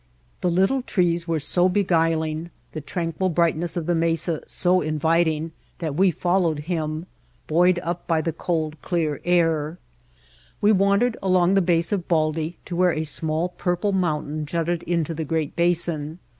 The little trees were so beguiling, the tranquil brightness White Heart of Mojave of the mesa so inviting, that we followed him, buoyed up by the cold, clear air. We wandered along the base of Baldy to where a small, purple mountain jutted into the great basin.